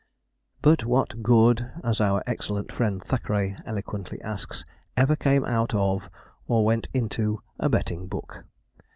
'But what good,' as our excellent friend Thackeray eloquently asks, 'ever came out of, or went into, a betting book?